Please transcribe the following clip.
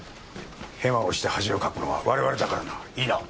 ヘマをして恥をかくのは我々だからな。いいな？